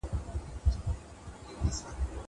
زه هره ورځ ليک لولم.